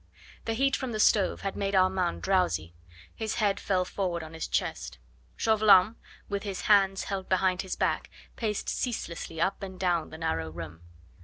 The heat from the stove had made Armand drowsy; his head fell forward on his chest. Chauvelin, with his hands held behind his back, paced ceaselessly up and down the narrow room.